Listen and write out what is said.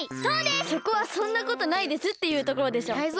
そこは「そんなことないです」っていうところでしょ。